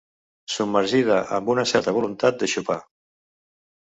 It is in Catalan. Submergida amb una certa voluntat de xopar.